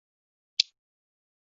父亲戈启宗。